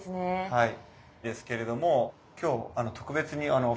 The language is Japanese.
はい。